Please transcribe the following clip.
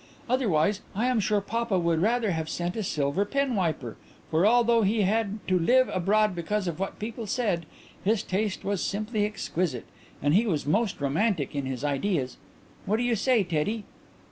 Otherwise I am sure papa would rather have sent a silver penwiper, for although he had to live abroad because of what people said, his taste was simply exquisite and he was most romantic in his ideas. What do you say, Teddy?"